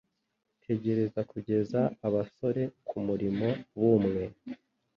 Tegereza kugeza abasore kumurimo bumve